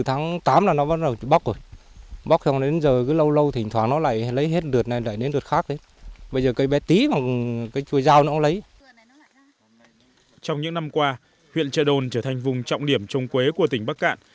trong những năm qua huyện trợ đồn trở thành vùng trọng điểm trồng quế của tỉnh bắc cạn